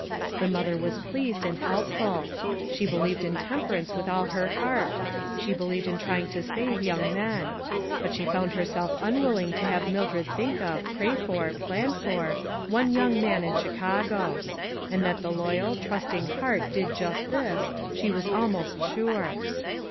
The mother was pleased and helpful. She believed in temperance with all her heart. She believed in trying to save young men. But she found herself unwilling to have Mildred think of, pray for, plan for, one young man in Chicago. And that the loyal, trusting young heart did just this, she was almost sure.